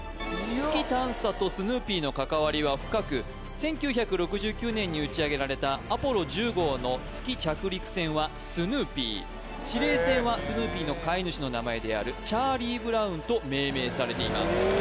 月探査とスヌーピーの関わりは深く１９６９年に打ち上げられたアポロ１０号の月着陸船はスヌーピー司令船はスヌーピーの飼い主の名前であるチャーリー・ブラウンと命名されています